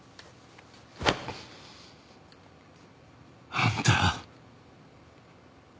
あんた。